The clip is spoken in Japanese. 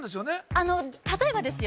あの例えばですよ